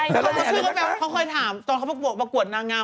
เค้าเคยถามตอนปรากฏนางาว